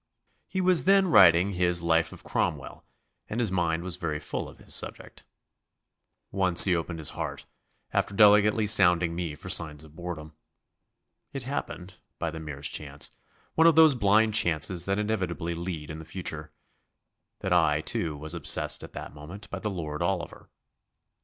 He was then writing his Life of Cromwell and his mind was very full of his subject. Once he opened his heart, after delicately sounding me for signs of boredom. It happened, by the merest chance one of those blind chances that inevitably lead in the future that I, too, was obsessed at that moment by the Lord Oliver.